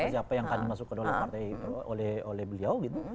siapa yang akan dimasukkan oleh partai